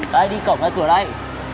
đây đi cổng ra cửa đây